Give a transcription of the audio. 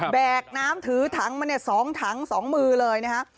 แกกน้ำถือถังมาเนี่ย๒ถัง๒มือเลยนะฮะ